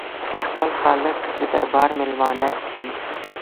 د خپل خالق د دربار مېلمانه وي.